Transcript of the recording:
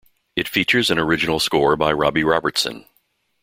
It features an original score by Robbie Robertson.